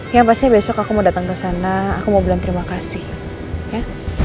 yang pastinya besok aku mau datang kesana aku mau bilang terima kasih ya